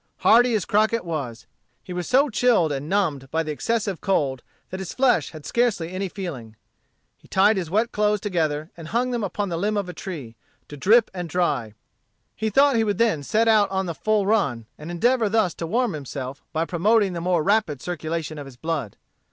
Hardy as Crockett was, he was so chilled and numbed by the excessive cold that his flesh had scarcely any feeling. He tied his wet clothes together and hung them up on the limb of a tree, to drip and dry He thought he would then set out on the full run, and endeavor thus to warm himself by promoting the more rapid circulation of his blood.